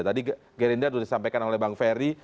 tadi gerinda sudah disampaikan oleh bang ferry